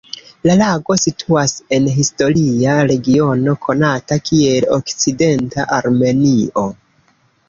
La lago situas en historia regiono konata kiel Okcidenta Armenio.